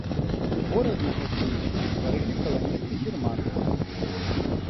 Горад на гэтым месцы стварылі каланісты-германцы.